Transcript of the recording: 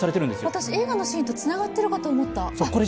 私、映画のシーンとつながってるかと思った！